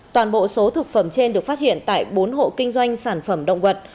toàn bộ số thực phẩm trên được phát hiện tại bốn hộ kinh doanh sản phẩm động vật